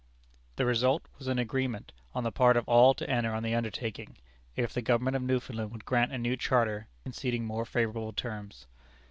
The result was an agreement on the part of all to enter on the undertaking, if the Government of Newfoundland would grant a new charter conceding more favorable terms.